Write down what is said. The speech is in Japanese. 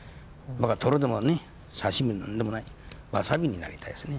僕はトロでもね、刺身でもなんでもない、わさびになりたいですね。